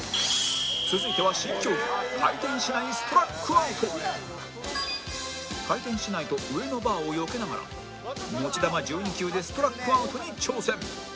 続いては新競技回転竹刀と上のバーをよけながら持ち球１２球でストラックアウトに挑戦